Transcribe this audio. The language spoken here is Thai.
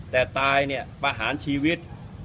แต่ตายเนี่ยประหารชีวิต